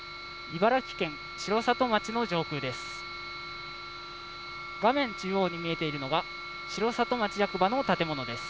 茨城県城里町の上空です。